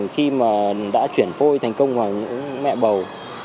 khi đã chuyển phôi thành công vào mẹ bầu